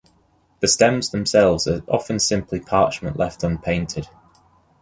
The stems themselves are often simply parchment left unpainted.